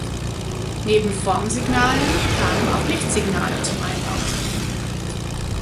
Neben Formsignalen kamen auch Lichtsignale zum Einbau.